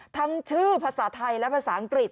ทั้งชื่อภาษาไทยและภาษาอังกฤษ